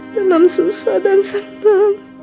dalam susah dan senang